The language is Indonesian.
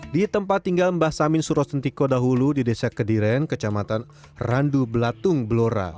di tempat tinggal mbah samin surosentiko dahulu di desa kediren kecamatan randu belatung blora